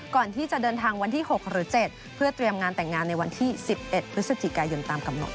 ก่อนที่จะเดินทางวันที่๖หรือ๗เพื่อเตรียมงานแต่งงานในวันที่๑๑พฤศจิกายนตามกำหนด